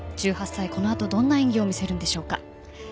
１８歳、この後どんな演技を見せるんでしょうか。